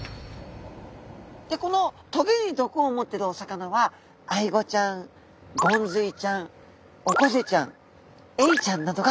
でこの棘に毒を持ってるお魚はアイゴちゃんゴンズイちゃんオコゼちゃんエイちゃんなどが知られています。